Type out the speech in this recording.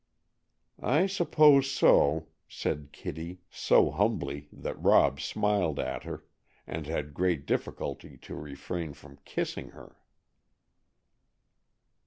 "I suppose so," said Kitty, so humbly that Rob smiled at her, and had great difficulty to refrain from kissing her.